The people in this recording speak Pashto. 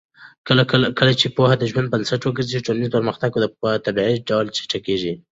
کله چې پوهه د ژوند بنسټ وګرځي، ټولنیز پرمختګ په طبیعي ډول چټکېږي.